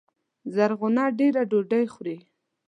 زرغونه دېره ډوډۍ خوري